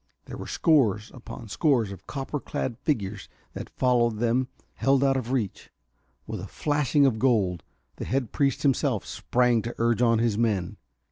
There were scores upon scores of copper clad figures that followed them held out of reach. With a flashing of gold, the head priest himself sprang to urge on his men.